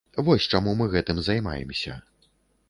Вось чаму мы гэтым займаемся.